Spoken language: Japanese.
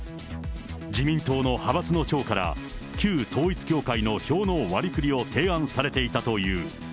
自民党の派閥の長から、旧統一教会の票の割りふりを提案されていたという。